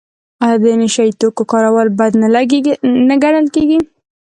آیا د نشه یي توکو کارول بد نه ګڼل کیږي؟